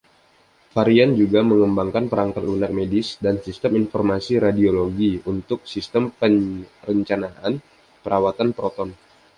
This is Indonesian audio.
Varian juga mengembangkan perangkat lunak medis dan sistem informasi radiologi untuk sistem perencanaan perawatan proton.